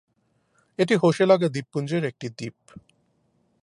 এটি হোশেলাগা দ্বীপপুঞ্জের একটি দ্বীপ।